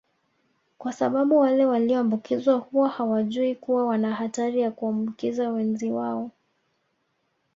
kwa sababu wale walioambukizwa huwa hawajui kuwa wana hatari ya kuwaambukiza wenzi wao